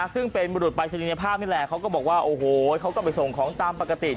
ซึ่งเป็นบุรุษปรายศนียภาพนี่แหละเขาก็บอกว่าโอ้โหเขาก็ไปส่งของตามปกติ